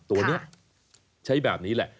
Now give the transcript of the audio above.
ตัวนี้ใช้แบบนี้แหละ